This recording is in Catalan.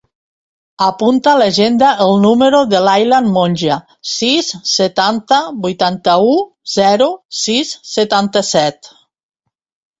Apunta a l'agenda el número de l'Aylen Monje: sis, setanta, vuitanta-u, zero, sis, setanta-set.